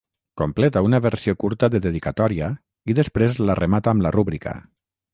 Completa una versió curta de dedicatòria i després la remata amb la rúbrica.